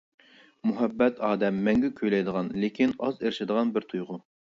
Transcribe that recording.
مۇھەببەت ئادەم مەڭگۈ كۈيلەيدىغان لېكىن ئاز ئېرىشىدىغان بىر تۇيغۇ.